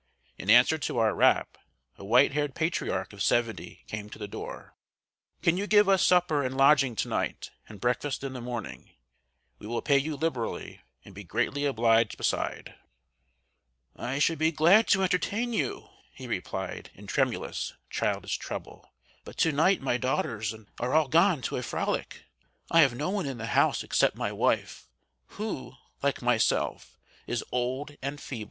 In answer to our rap, a white haired patriarch of seventy came to the door. "Can you give us supper and lodging to night, and breakfast in the morning? We will pay you liberally, and be greatly obliged beside." "I should be glad to entertain you," he replied, in tremulous, childish treble, "but to night my daughters are all gone to a frolic. I have no one in the house except my wife, who, like myself, is old and feeble."